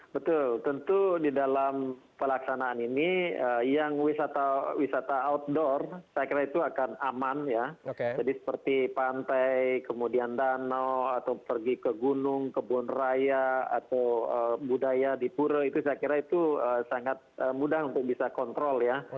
betul tentu di dalam pelaksanaan ini yang wisata outdoor saya kira itu akan aman ya jadi seperti pantai kemudian danau atau pergi ke gunung kebun raya atau budaya di pura itu saya kira itu sangat mudah untuk bisa kontrol ya